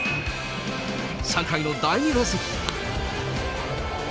３回の第２打席。